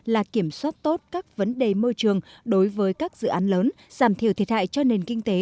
là kiểm soát tốt các vấn đề môi trường đối với các dự án lớn giảm thiểu thiệt hại cho nền kinh tế